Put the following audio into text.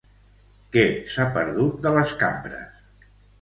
Què s'ha perdut de les cambres?